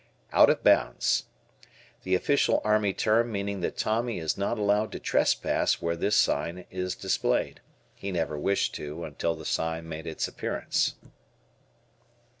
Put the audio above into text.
"Out of bounds." The official Army term meaning that Tommy is not allowed to trespass where this sign is displayed. He never wished to until the sign made its appearance.